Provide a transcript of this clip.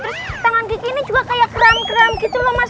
terus tangan bikinnya juga kayak kram kram gitu loh mas